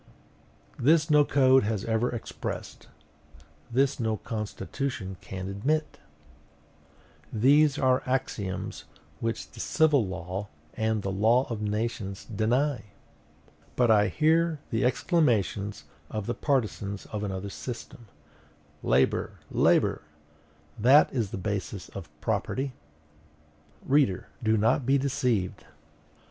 This no code has ever expressed; this no constitution can admit! These are axioms which the civil law and the law of nations deny!..... But I hear the exclamations of the partisans of another system: "Labor, labor! that is the basis of property!" Reader, do not be deceived.